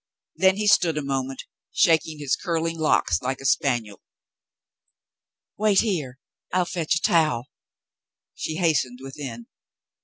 Then he stood a moment, shaking his curling locks like a spaniel. "Wait here. I'll fetch a towel." She hastened within.